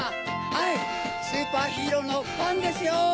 はいスーパーヒーローのパンですよ！